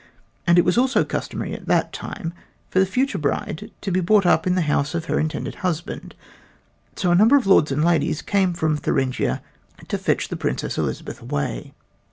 And it was also customary at that time for the future bride to be brought up in the house of her intended husband, so a number of lords and ladies came from Thuringia to fetch the Princess Elizabeth away.